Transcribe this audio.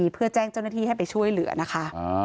เพื่อแจ้งเจ้าหน้าที่ให้ไปช่วยเหลือนะคะ